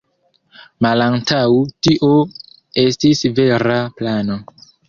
Malantaŭ tio estis vera plano.